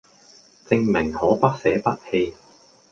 證明可不捨不棄